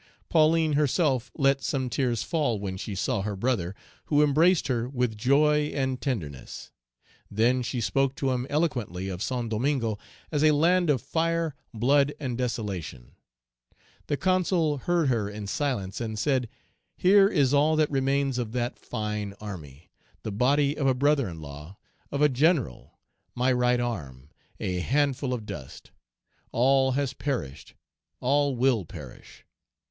Pauline herself let some tears fall when she saw her brother, who embraced her with joy and tenderness. Then she spoke to him eloquently of Saint Domingo as a land of fire, blood, and desolation. The Consul heard her in silence, and said, "Here is all that remains of that fine army, the body of a brother in law, of a general, my right arm, a handful of dust; all has perished, all will perish.